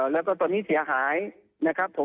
แล้วก็ตอนนี้เสียหายนะครับผม